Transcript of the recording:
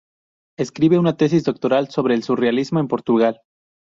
Escribe una tesis doctoral sobre el surrealismo en Portugal.